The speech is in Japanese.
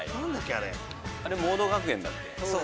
あれモード学園だっけ。